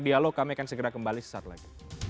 dialog kami akan segera kembali sesaat lagi